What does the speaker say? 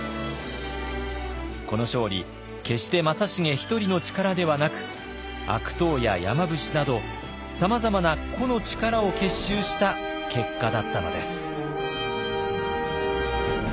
決して正成１人の力ではなく悪党や山伏などさまざまな個の力を結集した結果だったのです。